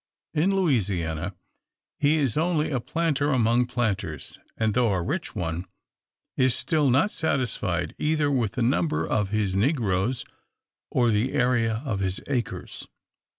In Louisiana he is only a planter among planters and though a rich one, is still not satisfied, either with the number of his negroes, or the area of his acres.